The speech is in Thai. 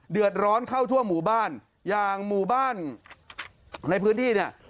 เดือดร้อนเข้าทั่วหมู่บ้านอย่างหมู่บ้านในพื้นที่เนี่ย